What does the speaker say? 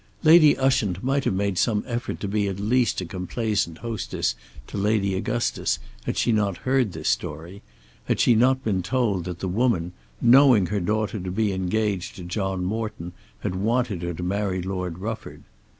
Lady Ushant might have made some effort to be at least a complaisant hostess to Lady Augustus had she not heard this story, had she not been told that the woman, knowing her daughter to be engaged to John Morton, had wanted her to marry Lord Rufford.